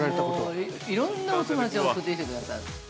◆もう、いろんなお友達が送ってきてくださる。